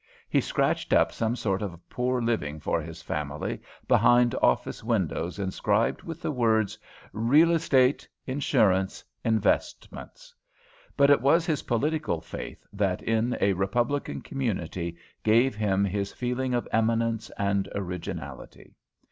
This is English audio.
He scratched up some sort of poor living for his family behind office windows inscribed with the words "Real Estate. Insurance. Investments." But it was his political faith that, in a Republican community, gave him his feeling of eminence and originality.